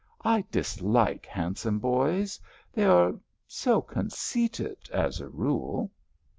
"I dislike handsome boys; they are so conceited as a rule."